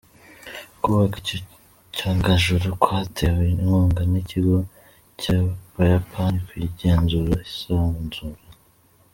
Kubaka iki cyogajuru kwatewe inkunga n’Ikigo cy’Abayapani kigenzura isanzure.